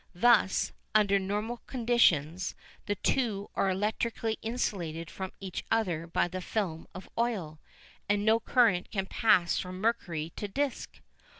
Thus, under normal conditions, the two are electrically insulated from each other by the film of oil and no current can pass from mercury to disc.